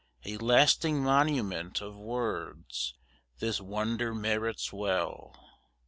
A lasting monument of words This wonder merits well.